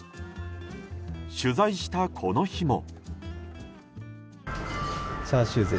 取材したこの日も。